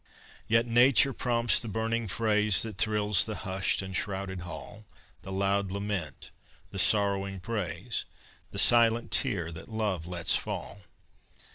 Yet Nature prompts the burning phrase That thrills the hushed and shrouded hall, The loud lament, the sorrowing praise, The silent tear that love lets fall.